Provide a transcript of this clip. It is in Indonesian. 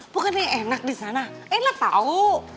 bukan yang enak di sana enak tahu